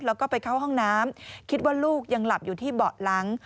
แล้วก็ไปเข้าห้องน้ำคิดว่าลูกยังหลับอยู่ที่เบาะหลัง